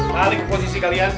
balik posisi kalian